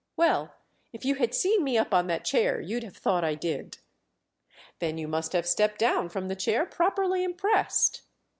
"Well, if you had seen me up on that chair you'd have thought I did." "Then you must have stepped down from the chair properly impressed."